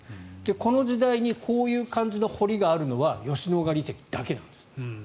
この時代にこういう感じの堀があるのは吉野ヶ里遺跡だけなんです。